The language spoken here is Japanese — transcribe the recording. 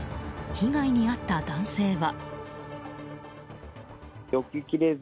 被害に遭った男性は。